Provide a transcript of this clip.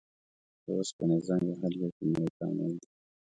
د اوسپنې زنګ وهل یو کیمیاوي تعامل دی.